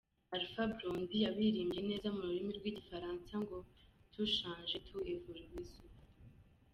Alpha Blondi yabiririmbye neza mu rurimi rw’igifaransa ngo “Tout change, tout évolue sauf…”